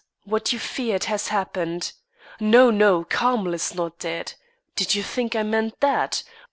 What you feared has happened No, no; Carmel is not dead. Did you think I meant that?